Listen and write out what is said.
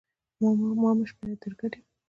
ما مه شمېره در ګډ یم